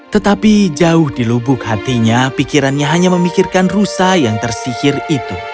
tetapi jauh di lubuk hatinya pikirannya hanya memikirkan rusa yang tersihir itu